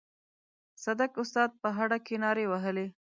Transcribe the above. صدک استاد په هډه کې نارې وهلې.